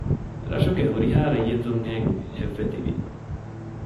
ރަށުގެ ހުރިހާ ރައްޔިތުންހެން އެއްވެ ތިވި